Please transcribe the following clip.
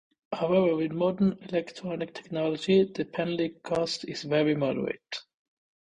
However, with modern electronics technology, the penalty in cost is very moderate.